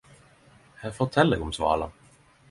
Eg fortel deg om svalene